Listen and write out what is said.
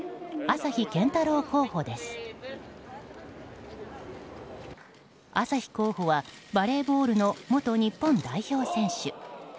朝日候補はバレーボールの元日本代表選手。